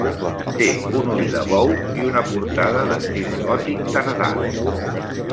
Té un ull de bou i una portada d'estil gòtic tardà.